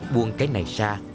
buông cái này ra